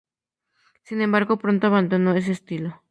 Sin embargo, pronto abandonó ese estilo.